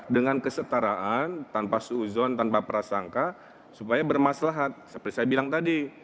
dengan kesetaraan tanpa seuzon tanpa prasangka supaya bermaslahat seperti saya bilang tadi